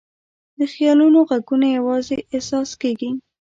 د خیالونو ږغونه یواځې احساس کېږي.